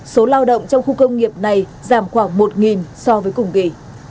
số lao động trong khu công nghiệp này giảm khoảng một so với cùng kỳ